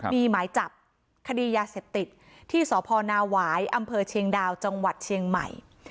มีหมายจับคดียาเสพติฯที่สพนาวายอเชียงดาวจเชียงใหม่